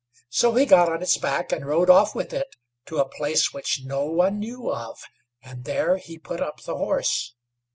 So he got on its back, and rode off with it to a place which no one knew of, and there he put up the horse.